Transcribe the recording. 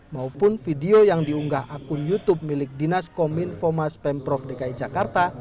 maupun video yang diunggah akun youtube milik dinas komin foma spam prof dki jakarta